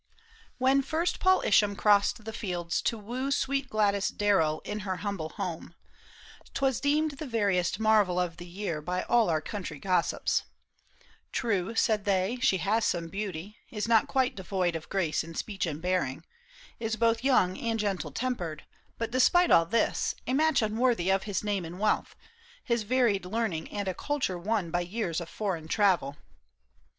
HEN first Paul Isham crossed the fields to woo Sweet Gladys Darrell in her humble home, 'Twas deemed the veriest marvel of the year By all our country gossips. " True," said they, '' She has some beauty, is not quite devoid Of grace in speech and bearing ; is both young And gentle tempered, but despite all this, A match unworthy of his name and wealth, His varied learning and a culture won By years of foreign travel."